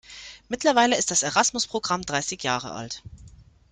Mittlerweile ist das Erasmus-Programm dreißig Jahre alt.